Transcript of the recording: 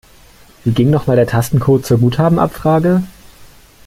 Wie ging noch mal der Tastencode zur Guthabenabfrage?